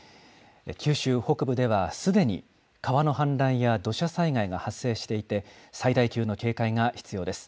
九州北部ではすでに川の氾濫や土砂災害が発生していて、最大級の警戒が必要です。